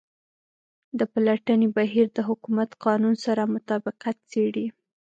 د پلټنې بهیر د حکومت قانون سره مطابقت څیړي.